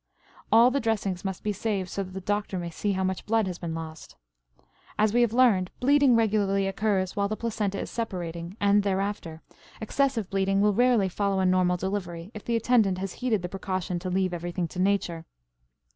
All the dressings must be saved so that the doctor may see how much blood has been lost. As we have learned, bleeding regularly occurs while the placenta is separating and thereafter; excessive bleeding will rarely follow a normal delivery if the attendant has heeded the precaution to leave everything to nature.